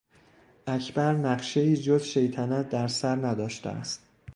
اکبر نقشهای جز شیطنت در سر نداشته است.